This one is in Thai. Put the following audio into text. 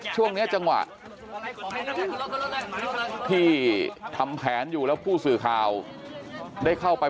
ช่วงนี้จังหวะที่ทำแผนอยู่แล้วผู้สื่อข่าวได้เข้าไป